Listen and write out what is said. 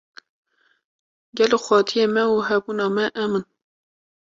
Gelo xwedyê me û hebûna me em in